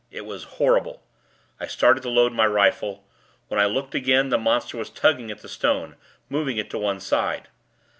It was horrible. I started to load my rifle. When I looked again, the monster was tugging at the stone moving it to one side.